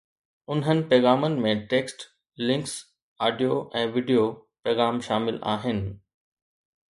انهن پيغامن ۾ text, links, audio ۽ video پيغام شامل آهن